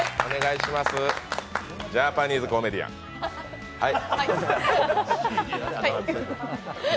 ジャパニーズコメディアン、はい！